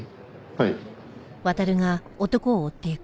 はい。